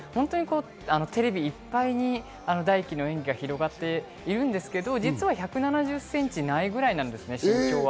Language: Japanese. テレビいっぱいに大輝の演技が広がってるんですけど、実は１７０ｃｍないくらいなんですね、身長は。